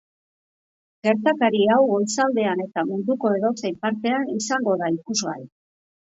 Gertakari hau goizaldean eta munduko edozein partean izango da ikusgai.